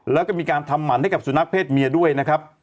แล้วก็มีการทำหมั่นให้กับสุนัขเพศเมียด้วยนะครับ